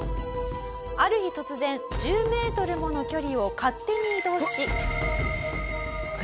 ある日突然１０メートルもの距離を勝手に移動し。